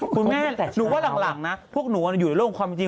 คุณแม่หนูว่าหลังนะพวกหนูอยู่ในโลกความจริง